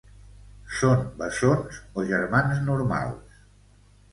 Són bessons o germans normals?